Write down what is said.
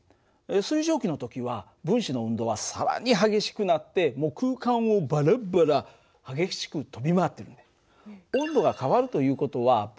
水蒸気の時は分子の運動は更に激しくなってもう空間をバラバラ激しく飛び回ってるんだよ。